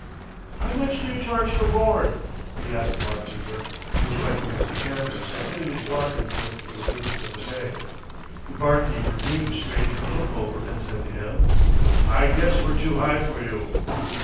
"How much do you charge for board?" he asked the bar keeper, who was wiping his decanters and putting his bar in trim for the business of the day. The bar keeper gave the stranger a look over and said to him: "I guess we're too high for you."